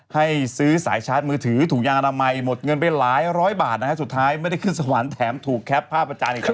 ให้ซื้อสายชาร์จมือถือถุงยางอนามัยหมดเงินไปหลายร้อยบาทนะฮะสุดท้ายไม่ได้ขึ้นสวรรค์แถมถูกแคปภาพอาจารย์อีกครั้ง